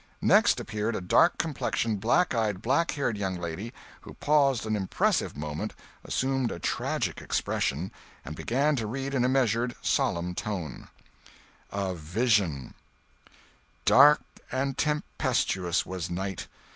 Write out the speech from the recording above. Next appeared a dark complexioned, black eyed, black haired young lady, who paused an impressive moment, assumed a tragic expression, and began to read in a measured, solemn tone: "A VISION "Dark and tempestuous was night.